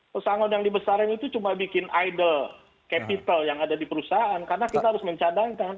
pesangon yang dibesarin itu cuma bikin idol capital yang ada di perusahaan karena kita harus mencadangkan